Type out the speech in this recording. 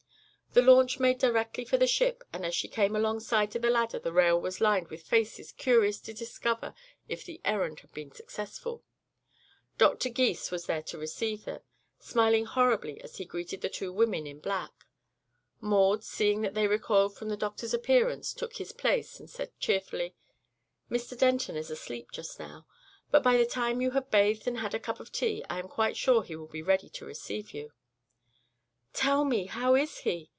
The launch made directly for the ship and as she came alongside to the ladder the rail was lined with faces curious to discover if the errand had been successful. Doctor Gys was there to receive them, smiling horribly as he greeted the two women in black. Maud, seeing that they recoiled from the doctor's appearance, took his place and said cheerfully: "Mr. Denton is asleep, just now, but by the time you have bathed and had a cup of tea I am quite sure he will be ready to receive you." "Tell me; how is he?